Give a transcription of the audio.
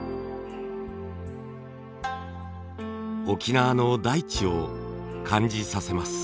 沖縄の大地を感じさせます。